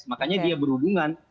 makanya dia berhubungan